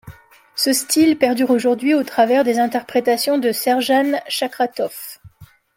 Ce style perdure aujourd’hui au travers des interprétations de Serjan Chakratov.